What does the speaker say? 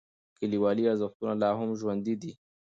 کلیوالي ارزښتونه لا هم ژوندی دي.